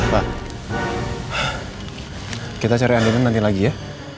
wah kita cari andin nanti lagi ya